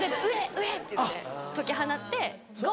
上！って言って解き放ってゴー！